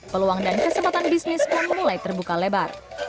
peluang dan kesempatan bisnis pun mulai terbuka lebar